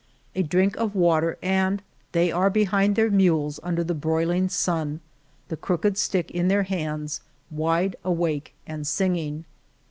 A drink of water and they are behind their mules under the broil ing sun, the crooked stick in their hands, wide awake and singing.